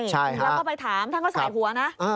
แล้วก็ไปถามท่านก็สายหัวนะ